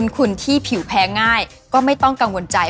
คุณที่ผิวแพ้ง่ายก็ไม่ต้องกังวลใจ